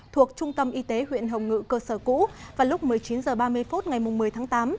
thuộc trung tâm y tế huyện hồng ngự cơ sở cũ vào lúc một mươi chín h ba mươi phút ngày một mươi tháng tám